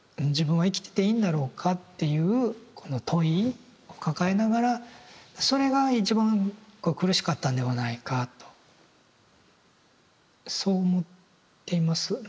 「自分は生きてていいんだろうか」っていうこの問いを抱えながらそれが一番苦しかったんではないかとそう思っています。